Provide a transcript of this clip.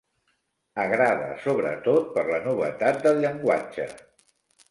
Agrada sobretot per la novetat del llenguatge.